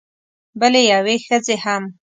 بلې یوې ښځې هم